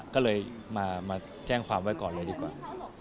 ก็เลยมาแจ้งความไว้ก่อนเลยดีกว่า